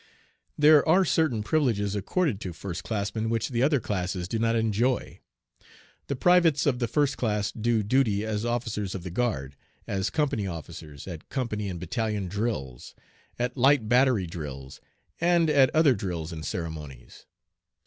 There are certain privileges accorded to first classmen which the other classes do not enjoy. The privates of the first class do duty as officers of the guard, as company officers at company and battalion drills, at light battery drills, and at other drills and ceremonies.